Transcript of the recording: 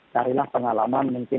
carilah pengalaman mungkin